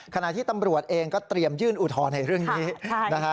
ขณะที่ตำรวจเองก็เตรียมยื่นอุทธรณ์ในเรื่องนี้นะฮะ